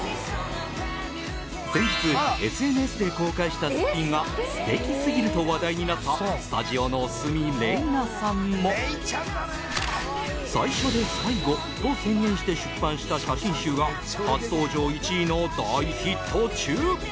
先日ＳＮＳで公開したすっぴんが「素敵すぎる」と話題になったスタジオの鷲見玲奈さんも最初で最後と宣言して出版した写真集が初登場１位の大ヒット中。